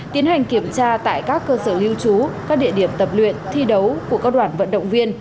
tiến hành kiểm tra tại các cơ sở lưu trú các địa điểm tập luyện thi đấu của các đoàn vận động viên